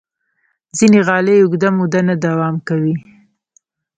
ځینې غالۍ اوږده موده نه دوام کوي.